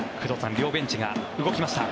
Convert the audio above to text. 両ベンチが動きました。